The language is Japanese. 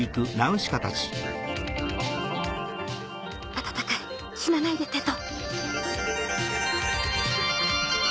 温かい死なないでテト